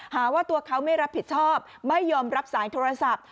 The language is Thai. หาว่าตัวเขาไม่รับผิดชอบไม่ยอมรับสายโทรศัพท์